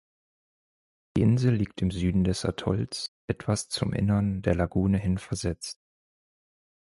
Die Insel liegt im Süden des Atolls etwas zum Innern der Lagune hin versetzt.